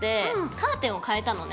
カーテンを変えたのね。